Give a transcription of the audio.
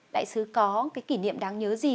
đại sứ có cái kỷ niệm đáng nhớ gì